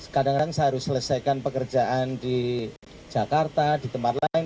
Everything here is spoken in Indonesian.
kadang kadang saya harus selesaikan pekerjaan di jakarta di tempat lain